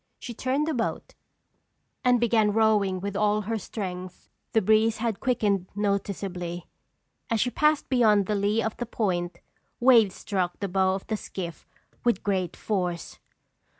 She turned the boat, and began rowing with all her strength. The breeze had quickened noticeably. As she passed beyond the lee of the point, waves struck the bow of the skiff with great force.